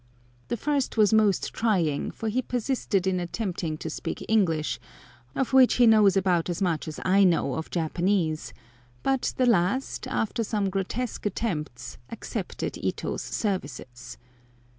The first was most trying, for he persisted in attempting to speak English, of which he knows about as much as I know of Japanese, but the last, after some grotesque attempts, accepted Ito's services.